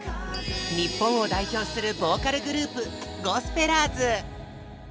日本を代表するボーカルグループゴスペラーズ！